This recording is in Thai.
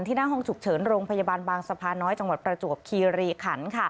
หน้าห้องฉุกเฉินโรงพยาบาลบางสะพานน้อยจังหวัดประจวบคีรีขัน